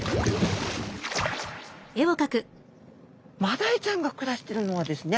マダイちゃんが暮らしているのはですね